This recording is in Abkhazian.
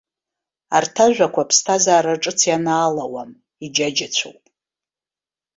Арҭ ажәақәа аԥсҭазаара ҿыц ианаалауам, иџьаџьацәоуп.